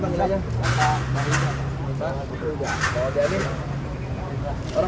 saya kirim temen temen saja